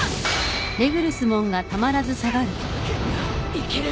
いける！